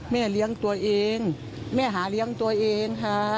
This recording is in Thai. แม่เลี้ยงตัวเองแม่หาเลี้ยงตัวเองหา